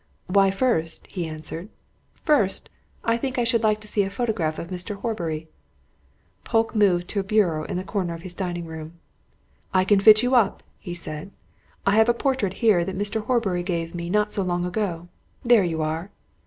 "Why, first," he answered, "first, I think I should like to see a photograph of Mr. Horbury." Polke moved to a bureau in the corner of his dining room. "I can fit you up," he said. "I've a portrait here that Mr. Horbury gave me not so long ago. There you are!"